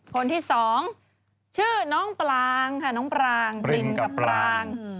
คนที่สองชื่อน้องปรางค่ะน้องปรางปรินกับปราง